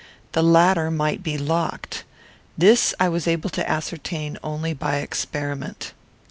The latter might be locked. This I was able to ascertain only by experiment.